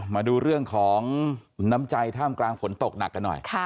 มาดูเรื่องของน้ำใจท่ามกลางฝนตกหนักกันหน่อย